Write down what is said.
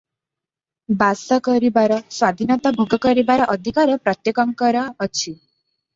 ବାସ କରିବାର ସ୍ୱାଧୀନତା ଭୋଗ କରିବାର ଅଧିକାର ପ୍ରତ୍ୟେକଙ୍କର ଅଛି ।